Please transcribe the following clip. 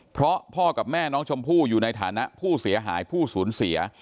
เพราะพ่อกับแม่น้องชมพู่อยู่ในฐานะผู้เสียหายผู้สูญเสีย